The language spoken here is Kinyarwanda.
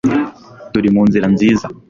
Turi mu nzira nziza